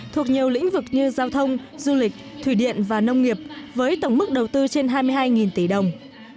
thuộc nhiều lĩnh vực như giao thông du lịch thủy điện và nông nghiệp với tổng mức đầu tư trên hai mươi hai tỷ đồng